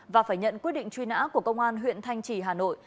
và phải nhận quyết định truy nã của công an huyện thanh trì hà nội